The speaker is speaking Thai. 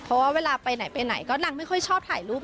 เพราะว่าเวลาไปไหนไปไหนก็นางไม่ค่อยชอบถ่ายรูป